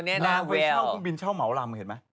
นางไปเช่าเครื่องบินเช่าเหมาลำเห็นไหม